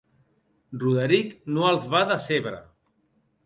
Roderic no els va decebre.